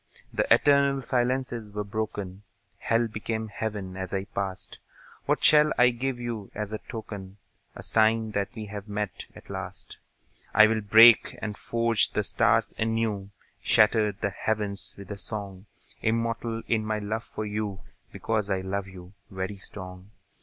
The eternal silences were broken; Hell became Heaven as I passed. What shall I give you as a token, A sign that we have met, at last? I'll break and forge the stars anew, Shatter the heavens with a song; Immortal in my love for you, Because I love you, very strong.